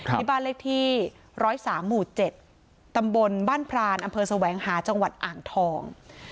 ที่บ้านเลขที่๑๐๓หมู่๗ตำบลบ้านพรานอำเภอแสวงหาจังหวัดอ่างทอง